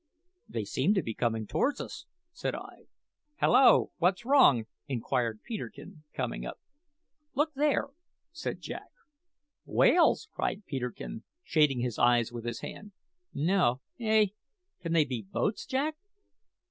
"They seem to be coming towards us," said I. "Hallo! what's wrong?" inquired Peterkin, coming up. "Look there," said Jack. "Whales!" cried Peterkin, shading his eyes with his hand. "No eh can they be boats, Jack?"